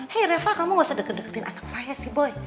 hey reva kamu gak usah deket deketin anak saya sih boy